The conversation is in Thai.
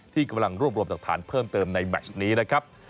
กำลังรวบรวมหลักฐานเพิ่มเติมในแมชนี้นะครับ